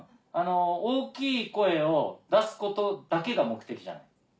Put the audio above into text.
大きい声を出すことだけが目的じゃない。